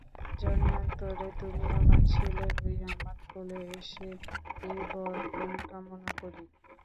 জন্মান্তরে তুমি আমার ছেলে হয়ে আমার কোলে এসো এই বর আমি কামনা করি।